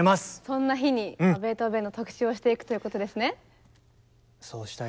そんな日にベートーベンの特集をしていくということですね。